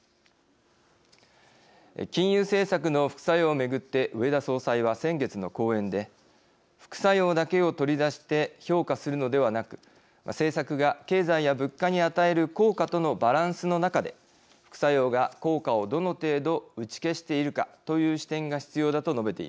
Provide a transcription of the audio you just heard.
金融政策の副作用を巡って植田総裁は先月の講演で副作用だけを取り出して評価するのではなく政策が経済や物価に与える効果とのバランスの中で副作用が効果をどの程度打ち消しているかという視点が必要だと述べています。